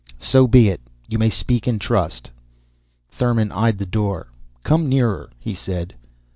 "So be it. You may speak in trust." Thurmon eyed the door. "Come nearer," he said.